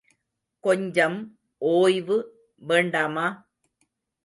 கொஞ்சம் ஓய்வு வேண்டாமா?